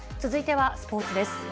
続いてはスポーツです。